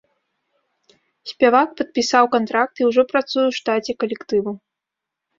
Спявак падпісаў кантракт і ўжо працуе ў штаце калектыву.